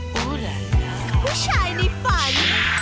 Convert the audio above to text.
ผู้ชายในฝัน